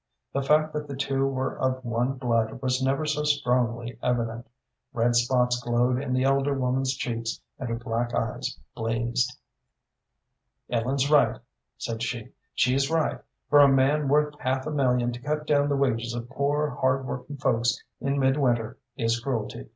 The fact that the two were of one blood was never so strongly evident. Red spots glowed in the elder woman's cheeks and her black eyes blazed. "Ellen's right," said she; "she's right. For a man worth half a million to cut down the wages of poor, hard working folks in midwinter is cruelty.